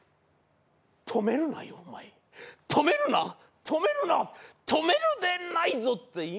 止めるなよお前止めるな止めるな止めるでないぞって